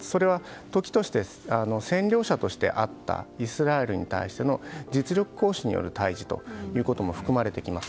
それは時として占領者としてあったイスラエルに対しての実力行使による対峙ということも含まれてきます。